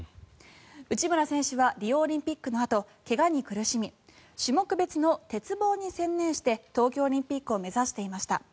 内村選手はリオオリンピックのあと怪我に苦しみ種目別の鉄棒に専念して東京オリンピックを目指していました。